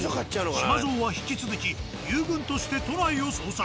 しまぞうは引き続き遊軍として都内を捜索。